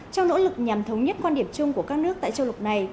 trong nỗ lực nhằm thống nhất quan điểm chung của các nước tại châu lục này